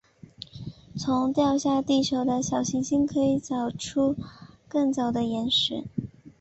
从掉下地球的小行星可以找出更早的岩石。